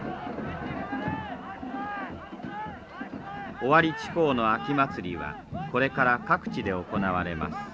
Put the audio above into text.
尾張地方の秋祭りはこれから各地で行われます。